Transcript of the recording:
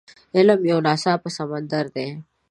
علم يو ناپايه سمندر دی.